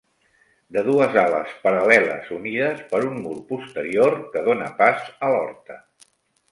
De dues ales paral·leles unides per un mur posterior, que dóna pas a l'horta.